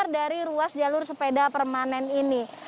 dari ruas jalur sepeda permanen ini